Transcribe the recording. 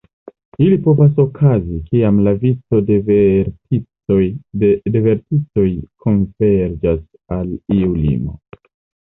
Ili povas okazi, kiam la vico de verticoj konverĝas al iu limo.